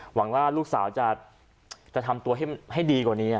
หวังว่าลูกสาวจะทำตัวให้ดีกว่านี้